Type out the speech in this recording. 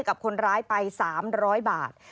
กับคนร้ายไป๓๐๐บาท